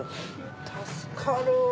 助かるわ。